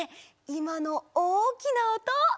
いまのおおきなおと。